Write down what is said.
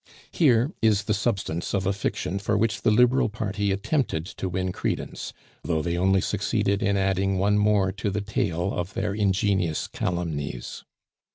Here is the substance of a fiction for which the Liberal party attempted to win credence, though they only succeeded in adding one more to the tale of their ingenious calumnies.